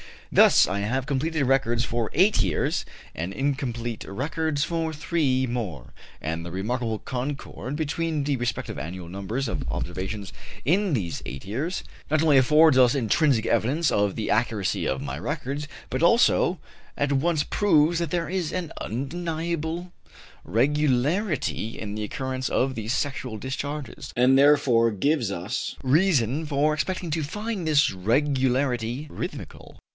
Thus I have complete records for eight years, and incomplete records for three more; and the remarkable concord between the respective annual numbers of observations in these eight years not only affords us intrinsic evidence of the accuracy of my records, but, also, at once proves that there is an undeniable regularity in the occurrence of these sexual discharges, and, therefore, gives us reason for expecting to find this regularity rhythmical.